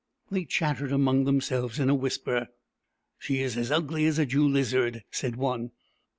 They chattered among themselves in a whisper. " She is as ugly as a Jew lizard," said one.